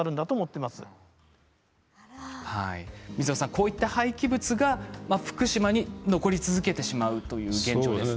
こういった廃棄物が福島に残り続けてしまうという現状ですね。